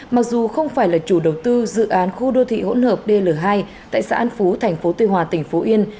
mặc dù không phải là chủ đầu tư dự án khu đô thị hỗn hợp dl hai tại xã an phú thành phố tuy hòa tỉnh phú yên